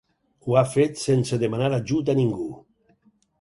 Ho ha fet sense demanar ajut a ningú.